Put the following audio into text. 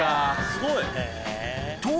・すごい・と！